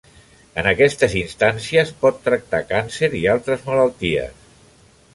En aquestes instàncies pot tractar càncer i altres malalties.